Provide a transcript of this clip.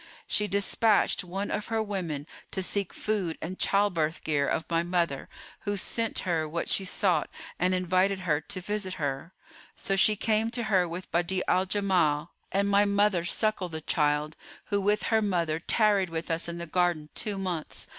She despatched one of her women to seek food and childbirth gear of my mother, who sent her what she sought and invited her to visit her. So she came to her with Badi'a al Jamal and my mother suckled the child, who with her mother tarried with us in the garden two months.